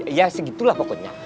ya segitulah pokoknya